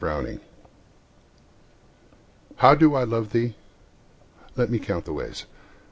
XLIII How do I love thee? Let me count the ways.